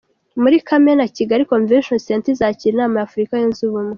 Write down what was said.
Muri Kamena, Kigali Convention Centre izakira inama ya Afurika Yunze Ubumwe.